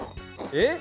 えっ？